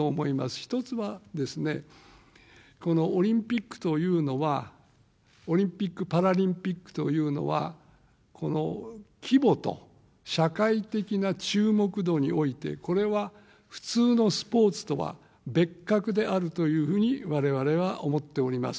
１つは、このオリンピックというのは、オリンピック・パラリンピックというのは、規模と社会的な注目度において、これは普通のスポーツとは別格であるというふうに、われわれは思っております。